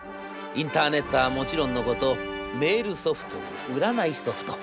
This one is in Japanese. インターネットはもちろんのことメールソフトに占いソフト。